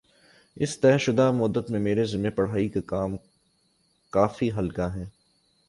اِس طےشدہ مدت میں میرے ذمے پڑھانے کا کام کافی ہلکا ہے